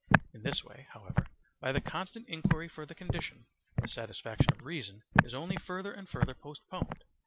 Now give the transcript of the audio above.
In this way, however, by the constant inquiry for the condition, the satisfaction of reason is only further and further postponed.